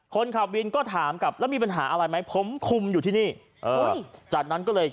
คนขับวินก็ถามกลับแล้วมีปัญหาอะไรไหมผมคุมอยู่ที่นี่จากนั้นก็เลย